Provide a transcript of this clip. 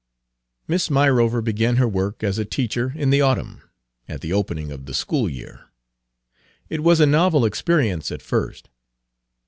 Miss Myrover began her work as a teacher in the autumn, at the opening of the school year. It was a novel experience at first.